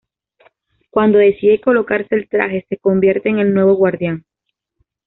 Cuando decide colocarse el traje, se convierte en el nuevo Guardián.